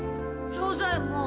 庄左ヱ門。